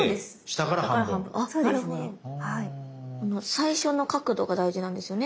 最初の角度が大事なんですよね